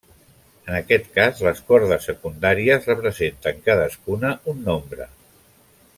En aquest cas les cordes secundàries representen, cadascuna, un nombre.